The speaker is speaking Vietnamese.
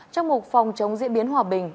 trong một phòng chống diễn biến hòa bình